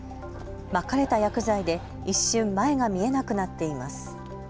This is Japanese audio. まかれた薬剤で一瞬、前が見えなくなっています。